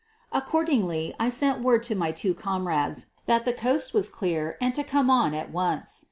Accordingly I sent word to my two comrades that the coast was clear and to come on at once.